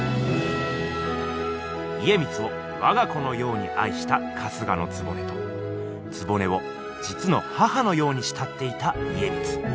家光をわが子のようにあいした春日局と局をじつの母のようにしたっていた家光。